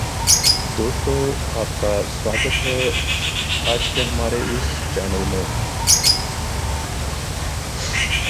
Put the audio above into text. Southern Vectis responded with a number of new business practices.